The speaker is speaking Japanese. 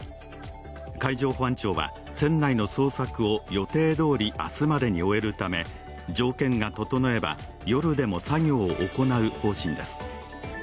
海上保安庁は船内の捜索を予定どおり明日までに終えるため条件が整えば夜でも作業を行う方針です。